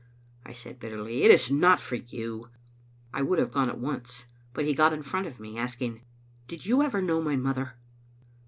I said bitterly. " It is not for you." I would have gone at once, but he got in front of me, asking, " Did you ever know my mother?"